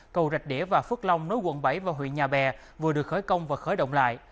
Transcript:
cầu rạch đĩa và phước long nối quận bảy và huyện nhà bè vừa được khởi công và khởi động lại